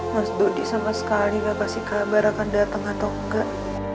mas dodi sama sekali gak kasih kabar akan datang atau enggak